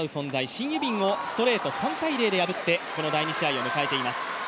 シン・ユビンをストレート３−０で破って第２試合を迎えています。